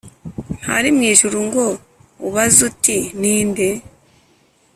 Ntari mu ijuru ngo ubaze uti ni nde